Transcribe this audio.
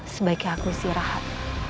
sebaiknya aku isi rehat